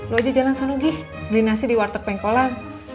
lu aja jalan sana gi beli nasi di warteg pengkolan